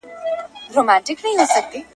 بیا په شیطانه په مکاره ژبه ..